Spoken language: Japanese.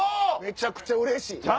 めちゃくちゃうれしい！